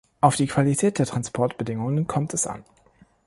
Auf die Qualität der Transportbedingungen kommt es an.